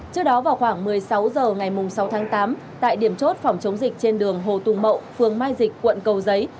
trước đó vào khoảng một mươi sáu h ngày sáu tháng tám tại điểm chốt phòng chống dịch trên đường hồ tùng mậu phường mai dịch quận cầu giấy